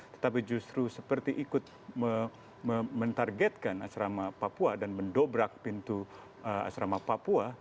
tetapi justru seperti ikut mentargetkan asrama papua dan mendobrak pintu asrama papua